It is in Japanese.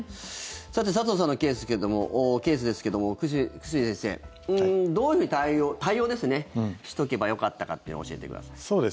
さて佐藤さんのケースですけども久住先生どういうふうな対応をしておけばよかったかというのを教えてください。